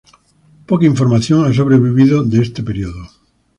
Poca información ha sobrevivido de este período.